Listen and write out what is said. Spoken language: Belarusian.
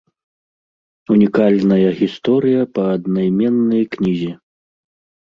Унікальная гісторыя па аднайменнай кнізе.